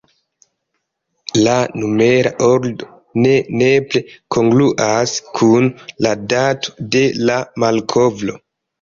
La numera ordo ne nepre kongruas kun la dato de la malkovro.